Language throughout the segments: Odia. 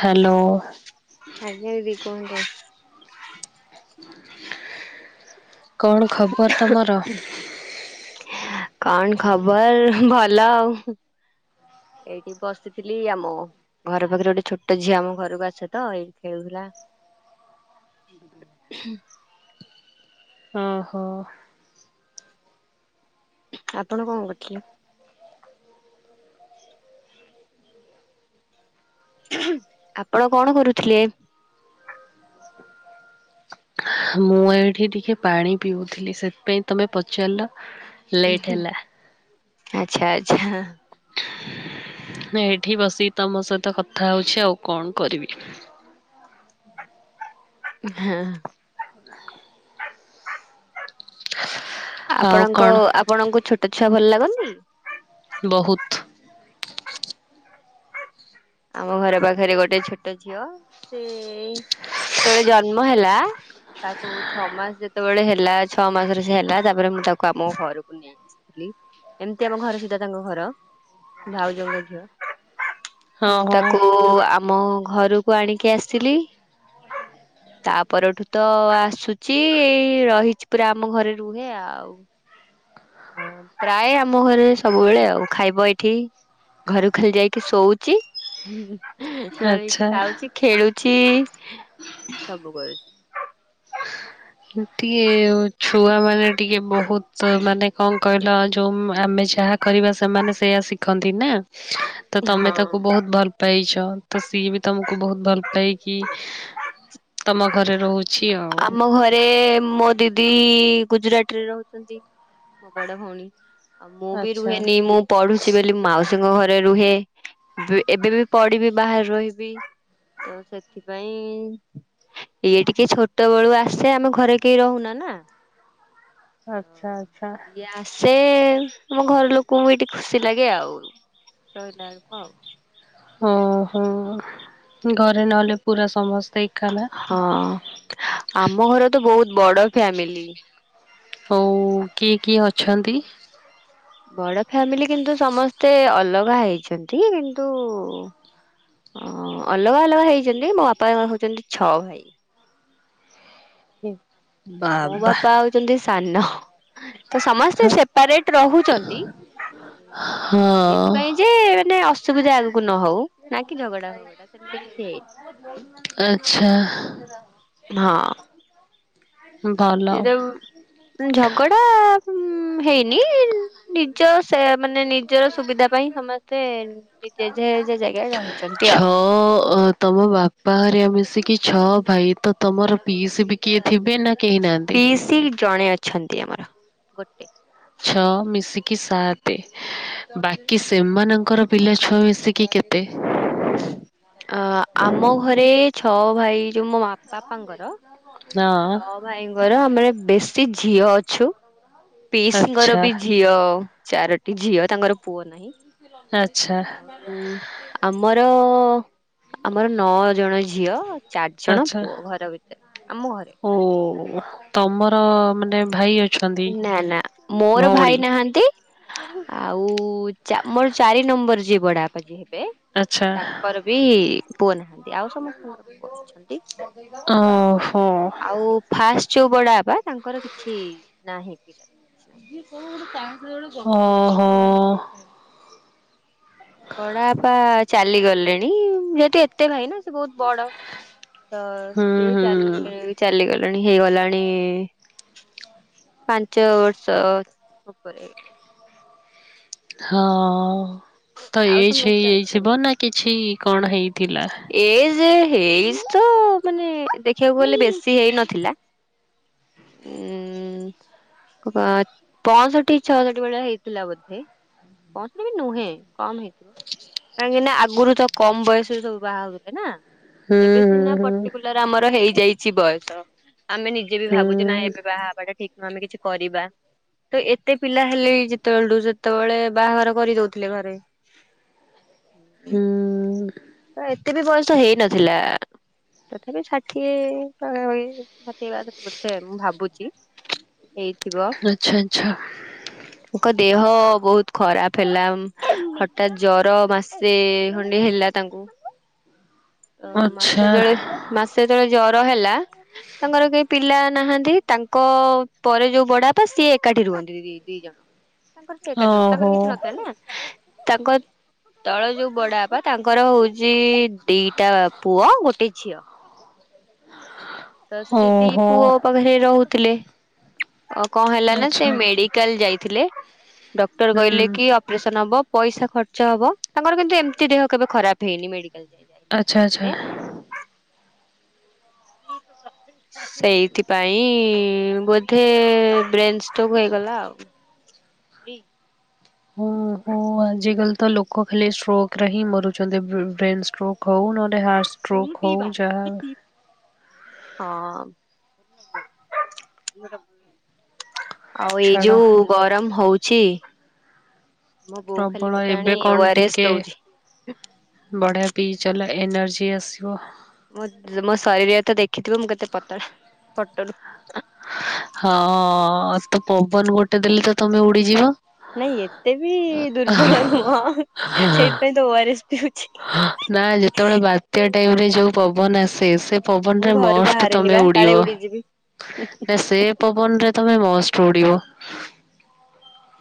ହ୍ୟାଲୋ। ଆଜି ଯିବିି [unintelligible] କଣ ଖବର ତମର? କଣ ଖବର, ଭଲ ଆଉ, ଏଇଠି ବସିଥିଲି ଆମୁ ଘର ପାଖରେ ଗୋଟେ ଛୋଟ ଝିଅ ଆମ ଘରକୁ ଆସେ ତ ଏଇଠି ଖେଳୁଥିଲା। ଆ ଓହୋଃ। ଆପଣ କଣ କରୁଥିଲେ? ହୁଁହୁଁ, ଆପଣ କଣ କରୁଥିଲେ? ମୁଁ ଏଇଠି ଟିକେ ପାଣି ପିଉଥିଲି ସେଥିପାଇଁ ତମେ ପଚାରିଲ ଲେଟ୍ ଉଁହୁଁ ହେଲା ଆଚ୍ଛା-ଆଚ୍ଛା। ଏଇଠି ବସିକି ତମ ସହିତ କଥା ହଉଛି ଆଉ କଣ କରିବି। ହେଁ ହେଁ। ଆଉ ଆପଣଙ୍କ କଣ ଆପଣଙ୍କୁ ଛୋଟ ଛୁଆ ଭଲ ଲାଗନ୍ତି? ବହୁତ୍। ଆମ ଘର ପାଖରେ ଗୋଟେ ଛୋଟ ଝିଅ ସେ-ଏ-ଏ ଯେତେବେଳେ ଜନ୍ମ ହେଲା ତାକୁ ଛଅ ମାସ ଯେତେବେଳେ ହେଲା, ଛଅ ମାସର ସେ ହେଲା ତାପରେ ମୁଁ ତାକୁ ଆମ ଘରକୁ ନେଇ ଇଥିଲି, ଏମିତି ଆମ ଘର ସିଧା ତାଙ୍କ ଘର, ଭାଉଜଙ୍କ ଝିଅ। ମୁଁ ଓହୋ ତାକୁ ଆମ ଘରକୁ ଆଣିକି ଆସିଲି। ଆ ତାପରଠୁ ତ ଆସୁଛି ଏଇ ରହିଛି ପୁରା ଆମ ଘରେ ରୁହେ ଆଉ। ପ୍ରାୟ ଆମ ଘରେ ସବୁବେଳେ ଆଉ ଖାଇବ ଏଇଠି। ଘରୁ ଖାଲି ଯାଇକି ଶୋଉଛି। ନହଲେ ଏଇଠି ଆଚ୍ଛା। ଖାଉଛି ଖେଳୁଛି ସବୁ କରୁଛି। ଟିକେ ଛୁଆ ମାନେ ଟିକେ ବହୁତ ମାନେ କଣ କହିଲ ଯୋଉ ଆମେ ଯାହା କରିବା ସେମାନେ ସେଇୟା ଶିଖନ୍ତି ନା। ତ ତମେ ହଁ। ତାକୁ ବହୁତ ଭଲ ପାଇଛ ତ ସିଏ ବି ତମକୁ ବହୁତ ଭଲ ପାଇକି ତମ ଘରେ ରହୁଛି ଆଉ। ଆମ ଘରେ ମୋ ଦିଦି ଗୁଜୁରାଟ ରେ ରହୁଛନ୍ତି ମୋ ବଡ ଭଉଣୀ। ଆଉ ମୁଁ ବି ଆଚ୍ଛା ରୁହେନି ମୁଁ ପଢୁଛି ବୋଲି ମାଉସୀଙ୍କ ଘରେ ରୁହେ। ଏବେ ବି ପଡିବି ବାହାରେ ରହିବି। ତ ସେଥିପାଇଁ ଇଏ ଟିକେ ଛୋଟ ପତଟବେଳୁ ଆସେ ଆମେ ଘରେ କେହି ରହୁନା ନା। ଆଚ୍ଛା ଆଚ୍ଛା ଇଏ ଆସେ ତମ ଘର ଲୋକଙ୍କୁ ବି ଏଠିକେ ଖୁସି ଲାଗେ ଆଉ। ଶୋଇଲା ବେଳକୁ ଆଉ। ଓହୋ ଘରେ ନହେଲେ ପୁରା ସମସ୍ତେ ଏକା ନା ହଁ ଆମ ଘର ତ ବହୁତ ବଡ ଫ୍ୟାମିଲି। ଆଉ କିଏ କିଏ ଅଛନ୍ତି? ବଡ ଫ୍ୟାମିଲି କିନ୍ତୁ ସମସ୍ତେ ଅଲଗା ହେଇଛନ୍ତି କିନ୍ତୁ ଓ ଅଲଗା ଅଲଗା ହେଇଛନ୍ତି ମୋ ବାପାଙ୍କର ହଉଛନ୍ତି ଛଅ ଭାଇ। ହଁ ମୋ ବାପା ହଉଛନ୍ତି ସାନ ତ ସମସ୍ତେ ସେପାରେଟ ରହୁଛନ୍ତି। ହଁ ହ ଏଇଥିପାଇଁ ଯେ ମାନେ ଅସୁବିଧା ଆଗକୁ ନ ହଉ ନା କି ଝଗଡା ଫଝଗଡା ହଉ। ସେମିତି କିଛି ହେଇନି ଆଚ୍ଛା ହଁ ଭଲ ଏଟ [unintelligible] ଝଗଡା ହେଇନି ନିଜ ସେ ମାନେ ନିଜର ସୁବିଧା ପାଇଁ ସମସ୍ତେ ଯେଝା ଯେଝା ଜାଗାରେ ରହିଛି ଛଅ ତମ ବାପା ହରିଆ ମିଶିକି ଛଅ ଭାଇ। ତ ତମର ପିସ୍ ବି କିଏ ଥିବେ ନା କେହି ନାହାନ୍ତି? ବିଶ ଜଣେ ଅଛନ୍ତି ଆମର ଗୋଟେ। ଛଅ ମିଶିକି ସତେ। ବାକି ସେମାନଙ୍କର ପିଲା ଛୁଆ ମିଶିକି କେତେ? ଅ ଆମ ଘରେ ଛଅ ଭାଇ। ଯୋଉ ମୋ ମା ବାପାଙ୍କର ହଁ ଛଅ ଭାଇଙ୍କର। ଆମେ ବେଶୀ ଝିଅ ଅଛୁ। ପିସଙ୍କର ଆଚ୍ଛା ବି ଝିଅ ଚାରୋଟି ଝିଅ। ତାଙ୍କର ପୁଅ ନାହିଁ। ଆଛା। ଆ ଆମର, ଆମର ନଅ ଜଣ ଝିଅ। ଚାରି ଜଣ ଆଚ୍ଛା ପୁଅ। ଘର ଭିତରେ। ଆମ ଘରେ। ଓ ତମର ମାନେ ଭାଇ ଅ ନା, ନା ମୋର ଭାଇ ନାହାନ୍ତି। ଆଉ ମୋର ଚା ମୋର ଚାରି ନମ୍ବର ଯିଏ ବଡ଼ବାପା ଯିଏ ହେବେ। ଆଛା। କର ବିି ପୁଅ ନାହାନ୍ତି। ଆଉ ସମସ୍ତଙ୍କର ପୁଅ ଅଛନ୍ତି। ଓହୋ ଆଉ ଫାଷ୍ଟ ଯୋଉ ବଡା ବାବା ତାଙ୍କର କିଛି ନାହିଁ ପିଲା। ହଁ ହୋ‌। ବଡା ବାପା ଚାଲିଗଲେଣି। ଯେହେତୁ, ଏତେ ଭାଇ ନା ସେ ବହୁତ ବଡ। ତ ହୁଁ ସିଏ ହୁଁ ଚାଲିଗ ଚାଲିଗଲେଣି ହେଇଗଲାଣି ପାଞ୍ଚ ବର୍ଷ ଉପରେ। ହଁ, ତ ଆଉ ଏଜ୍ ସମସ୍ତେ ଅଛନ୍ତି। ହେଇଯାଇଥିବ ନା କିଛି କଣ ହେଇଥିଲା? ଏଜ୍ ହେଇଚି ତ ମାନେ ଦେଖିବାକୁ ଗଲେ ବେଶ ଶି ହେଇ ନଥିଲା। ହ [inaudible] କ ପା ପଂଷଠି ଛଅଷଠି ଭଳିଆ ହେଇଥିଲା ବୋଧେ। ପଂଷଠି ବି ନୁହେଁ କମ ହେଇଥିବ କାହିଁକି ନା ଆଗରୁ ତ କମ ବୟସ ରେ ସବୁ ବାହାହୋଉଥିଲେ ନା ହୁଁ ଏବେ ହୁଁ ସିନା ପର୍ଟିକୁଲାର ଆମର ହେଇଯାଇଛି ବୟସ। ଆମେ ନିଜେ ବି ହୁଁ ଭାବୁଛେ ନା ଏବେ ବାହାବାଟା ଠିକ। ଆମେ କିଛି କରିବା। ତ ଏତେ ପିଲା ହେଲେ ଯେତେବେଳଠୁ ସେତେବେଳେ ବାହାଘର କରିଦଉଥିଲେ ଘରେ। ହୁଁ। ତ ଏତେ ବି ବୟସ ହେଇ ନଥିଲା। ତଥାପି ଷାଠିଏ ପାଖାପାଖି ଷାଠିଏ ବାସଠୀ ବୋଧେ ମୁଁ ଭାବୁଛି। ହେଇଥିବ। ଆଚ୍ଛା, ଆଚ୍ଛା। ତାଙ୍କ ଦେହ ବହୁତ ଖରାପ ହେଲା। ହଠାତ୍ ଜର ମାସେ ଖଣ୍ଡେ ହେଲା। ତାଙ୍କୁ ଆଚ୍ଛା ଆଚ୍ଛା ମାସେ ତଳେ ମାସେ ତଳେ ଜର ହେଲା ତାଙ୍କର କେହି ପିଲା ନାହାନ୍ତି‌। ତାଙ୍କ ପରେ ଯୋଉ ବଡ଼ବାପା ସିଏ ଏକାଠି ରୁହନ୍ତି ଦି ଦି ଜଣ। ତାଙ୍କର ସେ ଏକାଠି ରହୁ ତାଙ୍କର ଓହୋ କିଛି ନଥିଲା ନା। ତାଙ୍କ ତଳେ ଯୋଉ ବଡ ବାପା ତାଙ୍କର ତାଙ୍କର ହଉଛି ଦିଟା ପୁଅ, ଗୋଟେ ଝିଅ। ତ ସେ ଦି ଓହୋ। ପୁଅ ପାଖରେ ରହୁଥିଲେ। ଅ କଣ ହେଲା ନା ସେ ଆଚ୍ଛା ମେଡିକାଲ ଯାଇଥିଲେ। ଡକ୍ଟର ହୁଁ କହିଲେ କି ଆପ ଅପରେସନ ହବ ପଇସା ଖର୍ଚ୍ଚ ହବ ତାଙ୍କର କିନ୍ତୁ ଏମିତି ଦେହ କେବେ ଖରାପ ହେଇନି ମେଡିକାଲ ଯାଇ ଯାଇ। ଆଚ୍ଛା ଆଚ୍ଛା। ଆ ସେଇଥିପାଇ ବୋଧେ ବ୍ରେନ ଷ୍ଟୋକ ହେଇଗଲା ଆଉ। ଓହଁ। ଓ ଆଜିକାଲି ତ ଲୋକ ଖାଲି ଷ୍ଟ୍ରୋକ୍ରେ ହିଁ ମରୁଛନ୍ତି ଵ୍ ବ୍ରେନ ଷ୍ଟ୍ରକ୍ ହୋଉ ନହେ ରେ ହାର୍ଟ ଷ୍ଟ୍ରୋକ ହଉ ଯାହା ହଁ। ଆଉ ଏଇ ଛାଡ଼ ଯୋଉ ଗରମ ହଉଛି। ମୋ ବୋଉ ପ୍ରବଳ ଖାଲି ମତେ ଆଣି ଏବେ ଓ କଣ ଆର ଏସ୍ ଟିକେ ଦଉଛି। ବଢିଆ ପିଇ ଚାଲ ଏନର୍ଜି ଆସିବ। ମୋ ମୋ ଶରୀର ତ ଦେଖିଥିବ ମୁଁ କେତେ ପତଳା ଫଟରୁୁ। ହଁ। ତ ପବନ ଗୋଟେ ଦେଲେ ତ ତମେ ଉଡିଯିବ? ନାଇଁ ଏତେ ବି ଦୁର୍ବଳ ନୁହଁ। ସେଇଥିପାଇଁ ତ ଓଆରେସ୍ ନା ଯେତେବେଳେ ବାତ୍ୟା ଟାଇମ୍ ରେ ଯୋଉ ପବନ ଆସେ ସେ ମୁଁ ପବନରେ ଘରୁ ମଷ୍ଟ ବାହାରେନି ତମେ ବା କାଳେ ଉଡିବ। ଉଡିଯିବି। ନା ସେ ପବନରେ ତମେ ମଷ୍ଟ ଉଡ଼ିବ।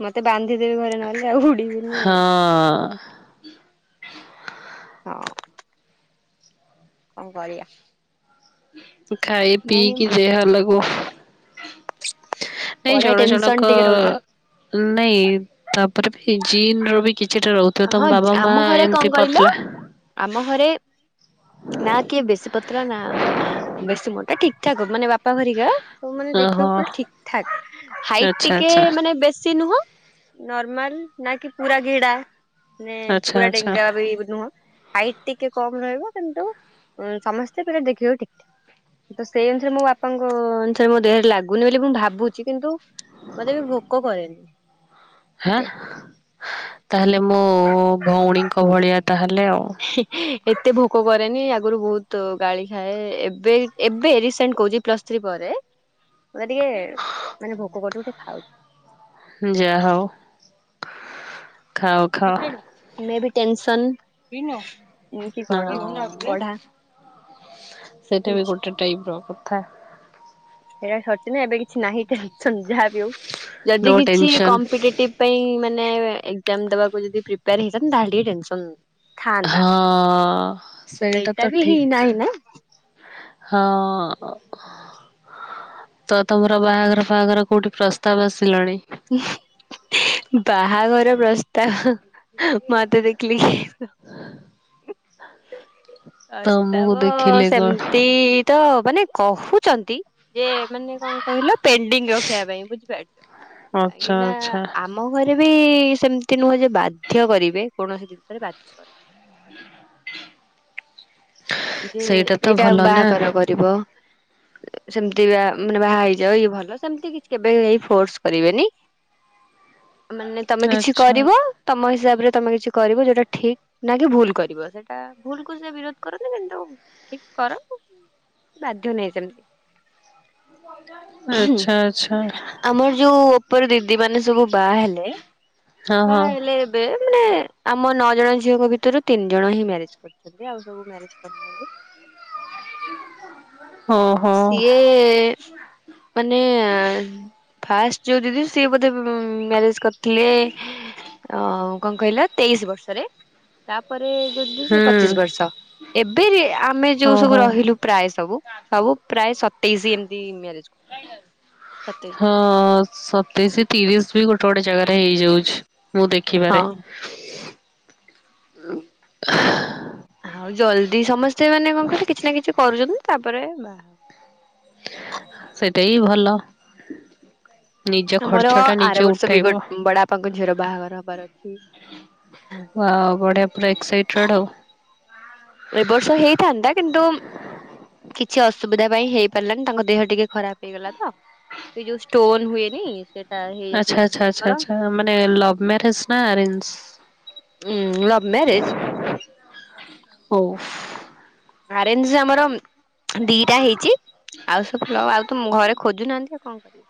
ମତେ ବାନ୍ଧି ଦେବେ ଘରେ ନହେଲେ ଆଉ ଉଡିବିନି ଆଉ। ହଁ। ହଁ। କଣ କରିବା। ଖାଇ ନାଇଁ ନାଇଁ ପିଇକି ଦେହରେ ଲାଗୁ। ନାଇଁ ପଢା ଜଣ ଟେନସନ ଜଣକ, ଟିକେ ରହୁଥିଲା ନାଇଁ ତାପରେ ବି ଜିନ୍ ର ବି କିଛିଟା ରହୁ ତ ତମ ହଁ ବାବା ମା ଆମ ଘରେ କଣ ଏମତି କହିଲ ପତଲା। ଆମ ଘରେ ନା କିଏ ବେଶୀ ପତଳା ନା ବେଶୀ ମୋଟା। ଠିକ୍ ଠାକ୍। ମାନେ ବାପା ହରିକା ସବୁ ମାନେ ଓହୋ ଦେଖିବାକୁ ପୁରା ଠିକ୍ ଠାକ୍। ହାଇଟ୍ ଆଚ୍ଛା ଟିକେ ଆଚ୍ଛା ମାନେ ବେଶୀ ନୁହଁ ନର୍ମାଲ ନା କି ପୁରା ଗେଡା ମାନେ ଆଚ୍ଛା ପୁରା ଆଚ୍ଛା ଡେଙ୍ଗା ବି ନୁହଁ। ହାଇଟ୍ ଟିକେ କମ୍ ରହିବ, କିନ୍ତୁ ସମସ୍ତେ ପିଲା ଦେଖିବାକୁ ଠିକ୍ ଠିକ୍। ତ ସେଇ ଅନୁସାରେ ମୋ ବାପାଙ୍କ ଅନୁସାରେ ମୋ ଦେହରେ ଲାଗୁନି ବୋଲି ମୁଁ ଭାବୁଚି। କିନ୍ତୁ ମତେ ବି ଭୋକ କରେନି। ମତେ। ହେଁ, ତାହେଲେ ମୋ ଭଉଣୀଙ୍କ ଭଳିଆ ତାହେଲେ ଆଉ। ଏତେ ଭୋକ କରେନି। ଆଗରୁ ବହୁତ ଗାଳି ଖାଏ। ଏବେ ଏବେ ରିସେଣ୍ଟ କହୁଚି ଏ ପ୍ଲସ୍ ଥ୍ରି ପରେ ହୁଁ ମତେ ଟିକେ ମାନେ ଭୋକ କରୁଚି ମୁଁ ଟିକେ ଖାଉ ଯା ହଉ। ଖାଅ ଖାଅ ମେ ବି ଟେନସନ୍। ହଁ। ସେଟା ବି ସେଇଟା ଗୋଟେ ଟାଇପ୍ ର କଥା। ସେଇଟା ସରିଚି ନା ଏବେ କିଛି ନାହିଁ ଟେନସନ୍। ଯାହା ବିି ଆଉ ନୋ ଯଦି କିଛି ଟେନସନ କମ୍ପିଟେଟିଭ୍ ପାଇଁ ମାନେ ଏଜ୍ଜାମ୍ ଦେବାକୁ ଯଦି ପ୍ରିପେୟାର ହେଇଥାନ୍ତା ତାହେଲେ ଟିକେ ଟେନସନ୍ ହଁ ସେଇଟା ତ ବି ଠିକ୍। ନାହିଁ ନା ହଁ। ତ ତମର ବାହାଘର ଫାହାଘର କୋଉଠି ପ୍ରସ୍ତାବ ଆସିଲାଣି? ବାହାଘର ପ୍ରସ୍ତାବ ମତେ ଦେଖିଲି କିଏ ତମକୁ ପ୍ରସ୍ତାବ ଦେଖିଲେ କଣ? ସେମିତି ତ ମାନେ କହୁଛନ୍ତି ଯେ ମାନେ କଣ କହିଲ ପେଣ୍ଡିଙ୍ଗ ରଖିବା ପାଇଁ। ବୁଝିପାରୁଚ ଆଚ୍ଛା କାହିଁକି ନା ଆଚ୍ଛା ଆ ମୋ ଘରେ ବି ସେମିତି ନୁହଁ ଯେ ବାଧ୍ୟ କରିବେ, କୌଣସି ଜିନିଷରେ ବାଧ୍ୟ କର [inaudible] ଯେ ସେଇଟା ତ ଏଇଟା ଭଲ ନା ବାହାଘର କରିବ। ସେମିତି ବା ମାନେ ବାହା ହେଇଯାଉ ଇଏ ଭଲ ସେମିତି କିଛି କେବେ କେହି ଫୋର୍ସ କରିବେନି। ମାନେ ତମେ କିଛି ଆଚ୍ଛା। କରିବ ତମ ହିସାବରେ ତମେ କିଛି କରିବ ଯୋଉଟା ଠିକ୍ ନା କି ଭୁଲ୍ କରିବ। ସେଇଟା ଭୁଲ କୁ ସେ ବିରୋଧ କର ମାନେ କିନ୍ତୁ ଠିକ୍ କରନ୍ତୁ। ବାଧ୍ୟ ନାହିଁ ସେମତି। ଆଚ୍ଛା ଆଚ୍ଛା। ଆମର ଯୋଉ ଉପର ଦିଦି ମାନେ ସବୁ ବାହା ହେଲେ, ହଁ ବାହା ହେଲେ ହଁ ଏବେ ମାନେ ଆମ ନଅ ଜଣ ଝିଅଙ୍କ ଭିତରୁ ତିନି ଜଣ ହିଁ ମ୍ୟାରେଜ୍ କରିଛନ୍ତି। ଆଉ ସବୁ ମ୍ୟାରେଜ୍ [unintelligible] ହ ସିଏ ମାନେ ଫାଷ୍ଟ ଯୋଉ ଦିଦି ସିଏ ବୋଧେ ମ୍ୟାରେଜ୍ କରିଥିଲେ। ଅ କଣ କହିଲ ତେଇଶି ବର୍ଷରେ ତାପରେ ଯୋଉ ଦିଦି ସେ ପଚିଶ ହୁଁ। ବର୍ଷ। ଏବେ ଆମେ ଯୋଉ ସବୁ ଓହୋ ରହିଲୁ ପ୍ରାୟ ସବୁ, ସବୁ ପ୍ରାୟ ସତେଇଶ ଏମତି ମ୍ୟାରେଜ୍ [unintelligible] ସତେଇଶ୍ ହଁ ସତେଇଶିି ତିରିଶ ବି ଗୋଟେ ଗୋଟେ ଜାଗାରେ ହେଇଯାଉଚି ମୁଁ ଦେଖିବାରେ। ହଁ [inaudible] ଆଉ ଜଲ୍ଦି ସମସ୍ତେ ମାନେ କଣ କହିଲେ କିଛି ନା କିଛି କରୁଛନ୍ତି। ତାପରେ ବା ସେଇଟା ବି ଭଲ। ନିଜ ଆମର ଖର୍ଚ୍ଚ ଟା ଆର ନିଜେ ବର୍ଷ ବି ଗୋ ଉଠେଇବ। ବଡ ବାପାଙ୍କ ଝିଅର ବାହାଘର ହବାର ଅଛି। ୱାଓ ବଢିଆ ପୁରା ଏକ୍ସାଇଟେଡ୍ ଆଉ। ଏ ବର୍ଷ ହେଇଥାନ୍ତା କିନ୍ତୁ କିଛି ଅସୁବିଧା ପାଇଁ ହେଇ ପାରିଲାନି ତାଙ୍କ ଦେହ ଟିକେ ଖରାପ ହେଇଗଲା ତ। ସେଇ ଯୋଉ ଷ୍ଟୋନ ହୁଏନି ସେ ଆଚ୍ଛା ହେଇଯାଇଥିଲା ଆଚ୍ଛା ଆଚ୍ଛା ଦିଦିଙ୍କର ଆଚ୍ଛା। ମାନେ ଲଭ ମ୍ୟାରେଜ ନା ଆରେଞ୍ଜ? ଉଁ ଲଭ୍ ମ୍ୟାରେଜ୍। ହଉ। ଆରେଞ୍ଜ ରେ ଆମର ଦିଟା ହେଇଚି। ଆଉ ସବୁ ଲ ଆଉ ତ ଘରେ ଖୋଜୁନାହାନ୍ତି ଆଉ କଣ କରିବା।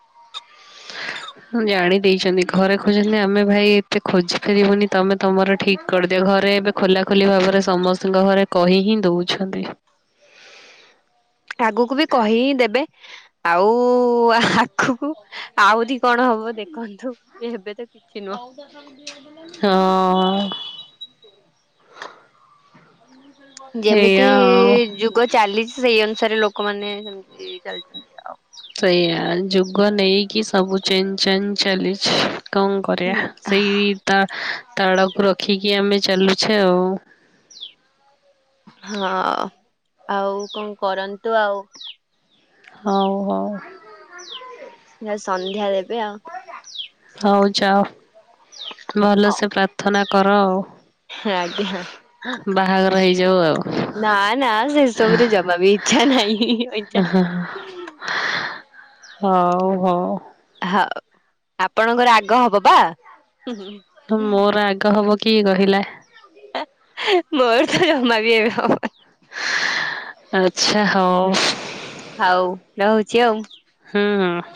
ହ ଜାଣି ଦେଇଛନ୍ତି ଘରେ କହୁଛନ୍ତି ଆମେ ଭାଇ ଏତେ ଖୋଜି ପାରିବୁନି ତମେ ତମର ଠିକ୍ କରିଦିଅ। ଘରେ ଏବେ ଖୋଲା ଖୋଲି ଭାବରେ ସମସ୍ତଙ୍କ ଘରେ କହି ହିଁ ଦଉଛନ୍ତି। ଆଗକୁ ବି କହି ହିଁ ଦେବେ। ଆଉ ଆଗକୁ ଆଉରି କଣ ହବ ଦେଖନ୍ତୁ। ଏବେ ତ ନୁହଁ। ହଁ। ଯେମିତି ଏଇଆ ଆଉ। ଯୁଗ ଚାଲିଚି ସେଇ ଅନୁସାରେ ଲୋକମାନେ ସେମିତି ଚାଲିଛନ୍ତି ଆଉ। ସେଇଆ ଯୁଗ ନେଇକି ସବୁ ଚେଞ୍ଜ ଚାଞ୍ଜ ଚାଲିଛି। କଣ ହୁଁ। କରିବା ସେଇ ତା ତାଳକୁ ରଖିକି ଆମେ ଚାଲୁଛେ ଆଉ। ହଁ। ଆଉ କଣ କରନ୍ତୁ ଆଉ। ହଉ ହଉ। ଯାଉଚି ସନ୍ଧ୍ୟା ଦେବି ଆଉ। ହଉ ଯାଅ। ହଁ ଭଲସେ ପ୍ରାର୍ଥନା କର ଆଉ। ଆଜ୍ଞା ବାହାଘର ହେଇଯାଉ ଆଉ। ନା ନା ସେସବୁରେ ଜମା ବି ଇଚ୍ଛା ନାହିଁ। ଇଚ୍ଛା [unintelligible] ହଉ ହଉ। ହଉ। ଆପଣଙ୍କର ଆଗ ହବ ପା। ମୋର ଆଗ ହବ କିଏ କହିଲା? ମୋର ତ ଜମା ବି ଏବେ ହବନି। ଆଚ୍ଛା ହଉ। ହଉ ରହୁଚି ଆଉ। ହୁଁ।